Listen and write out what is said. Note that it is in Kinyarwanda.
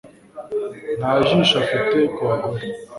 Nta jisho afite ku bagore